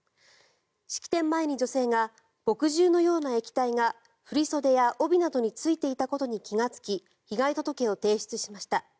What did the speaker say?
式典前に女性が墨汁のような液体が振り袖や帯などについていたことに気がつき被害届を提出しました。